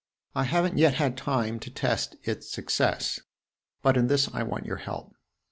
I have n't yet had time to test its success; but in this I want your help.